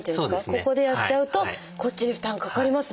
ここでやっちゃうとこっちに負担かかりますね